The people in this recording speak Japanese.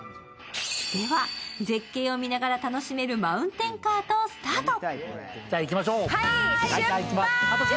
では、絶景を見ながら楽しめるマウンテンカートをスタート。